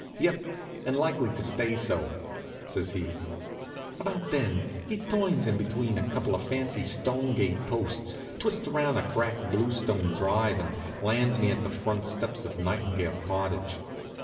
"Yep, and likely to stay so," says he. About then he turns in between a couple of fancy stone gate posts, twists around a cracked bluestone drive, and lands me at the front steps of Nightingale Cottage.